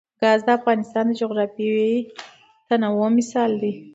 ګاز د افغانستان د جغرافیوي تنوع مثال دی.